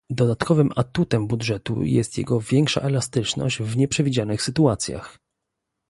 Dodatkowym atutem budżetu jest jego większa elastyczność w nieprzewidzianych sytuacjach